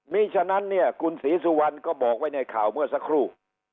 มีฉะนั้นเนี่ยคุณศรีสุวรรณก็บอกไว้ในข่าวเมื่อสักครู่